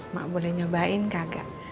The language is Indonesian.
mak boleh nyobain kagak